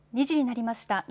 ２時になりました。